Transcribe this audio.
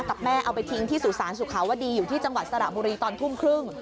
กับแม่เอาไปทิ้งที่สุสานสุขาวดีอยู่ที่จังหวัดสระบุรีตอนทุ่มครึ่ง